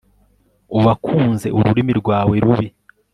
uwakunze ururimi rwawe rubi